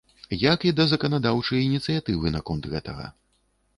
Як і да заканадаўчай ініцыятывы наконт гэтага.